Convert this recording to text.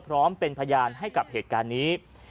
พร้อมเป็นพยานให้กับเหตุการณ์นี้